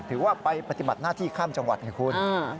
ถือว่าไปปฏิบัติหน้าที่ข้ามจังหวัดไงคุณ